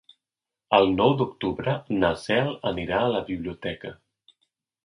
El nou d'octubre na Cel anirà a la biblioteca.